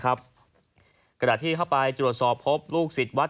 กระดาษที่เข้าไปตรวจสอบพบลูกศิษย์วัด